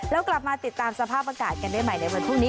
แล้วกลับมาติดตามสภาพอากาศกันได้ใหม่ในวันพรุ่งนี้